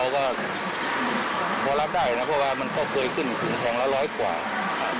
นี่เขาก็พอรับได้นะเพราะว่ามันก็ไปขึ้นขุมแข็งแล้วร้อยกว่า